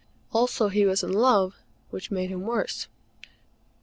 Also he was in love, which made him worse.